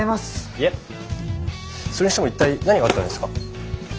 いえそれにしても一体何があったんですか？